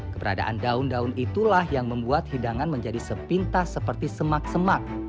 keberadaan daun daun itulah yang membuat hidangan menjadi sepintas seperti semak semak